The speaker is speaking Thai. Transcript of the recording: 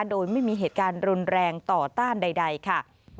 โดยไม่มีเหตุการณ์รุนแรงต่อต้านใดค่ะ